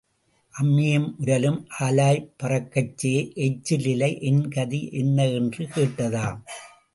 அம்மியும் உரலும் ஆலாய்ப் பறக்கச்சே எச்சில் இலை என்கதி என்ன என்று கேட்டதாம்.